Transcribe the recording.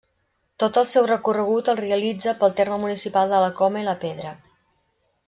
Tot el seu recorregut el realitza pel terme municipal de la Coma i la Pedra.